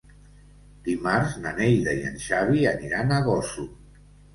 Dimarts na Neida i en Xavi aniran a Gósol.